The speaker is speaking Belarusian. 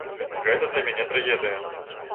Гэта для мяне трагедыя.